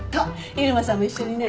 入間さんも一緒にね。